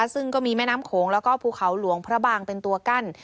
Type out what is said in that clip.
ซึ่งก็มีแม่น้ำโขงแล้วก็ภูเขาหลวงพระบางเป็นตัวกั้น